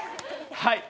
はい！